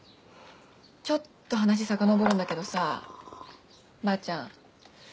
ちょっと話さかのぼるんだけどさばあちゃん